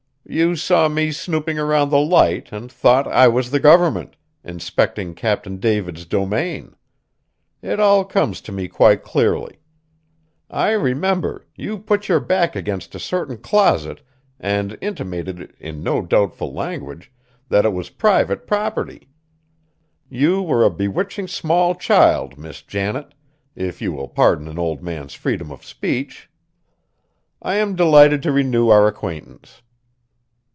You saw me snooping around the Light and thought I was the Government, inspecting Captain David's domain. It all comes to me quite clearly. I remember, you put your back against a certain closet and intimated in no doubtful language that it was private property. You were a bewitching small child, Miss Janet, if you will pardon an old man's freedom of speech. I am delighted to renew our acquaintance."